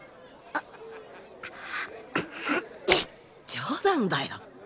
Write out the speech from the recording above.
冗談だよ。